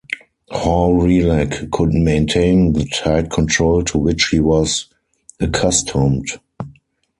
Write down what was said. Hawrelak couldn't maintain the tight control to which he was accustomed.